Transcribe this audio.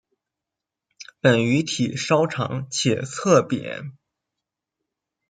本鱼体稍长且侧扁。